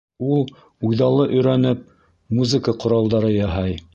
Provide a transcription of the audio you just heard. Ул, үҙаллы өйрәнеп, музыка ҡоралдары яһай.